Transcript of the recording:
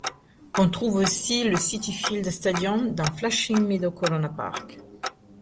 On trouve aussi le Citi Field Stadium dans Flushing Meadow-Corona Park.